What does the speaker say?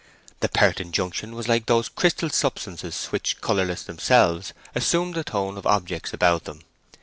The pert injunction was like those crystal substances which, colourless themselves, assume the tone of objects about them.